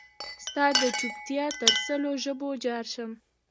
ستا دچوپتیا تر سلو ژبو جارشم